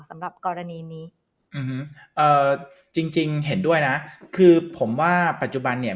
สำหรับกรณีนี้อืมเอ่อจริงจริงเห็นด้วยนะคือผมว่าปัจจุบันเนี่ย